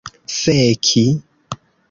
feki